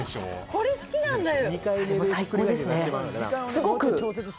これ好きなんだよ